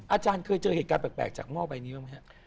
อาจารย์เคยเจอเหตุการณ์แปลกจากหม้อใบนี้บ้างไหมครับ